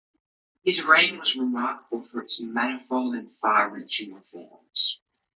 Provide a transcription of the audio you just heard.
His reign was remarkable for its manifold and far-reaching reforms.